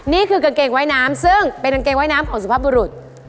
นี่คือกางเกงว่ายน้ำซึ่งเป็นกางเกงว่ายน้ำของสุภาพบุรุษ